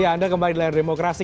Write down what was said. ya anda kembali di layar demokrasi